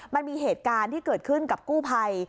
มันมีเหตุการณ์ที่เกิดขึ้นกับกู้ภัย